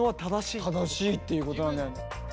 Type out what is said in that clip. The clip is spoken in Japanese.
正しいっていうことなんだよね。